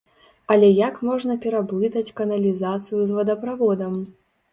Але як можна пераблытаць каналізацыю з вадаправодам?